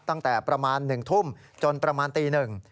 ตั้งแต่ประมาณ๑ทุ่มจนประมาณตีหนึ่ง